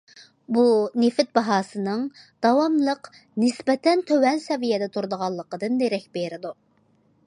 بۇ نېفىت باھاسىنىڭ داۋاملىق نىسبەتەن تۆۋەن سەۋىيەدە تۇرىدىغانلىقىدىن دېرەك بېرىدۇ.